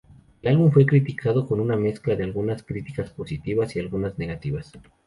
El álbum fue criticado con una mezcla de algunas críticas positivas y algunas negativas.